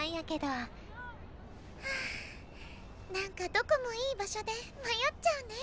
はぁ何かどこもいい場所で迷っちゃうね。